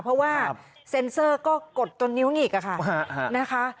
เพราะว่าเซ็นเซอร์ก็กดจนนิ้วห้องหรืออีกนะคะ